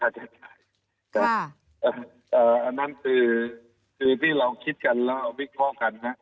อันนั้นคือที่เราคิดกันแล้ววิเคราะห์กันฮะ